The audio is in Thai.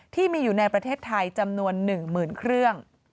ที่มีอยู่ในประเทศไทยจำนวน๑๐๐๐เครื่อง